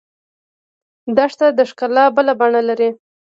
دښته د ښکلا بله بڼه لري.